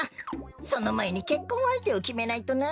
そのまえにけっこんあいてをきめないとな。